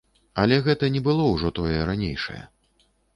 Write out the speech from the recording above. Але гэта не было ўжо тое, ранейшае.